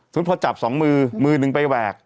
สมมุติพอจับสองมือมือหนึ่งไปแหวก